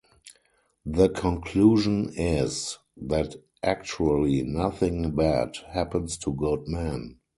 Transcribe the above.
The conclusion is that actually nothing bad happens to good men.